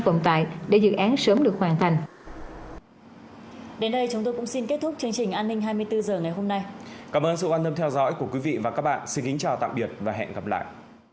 xin chào tạm biệt và hẹn gặp lại